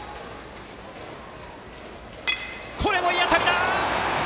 これもいい当たりだ！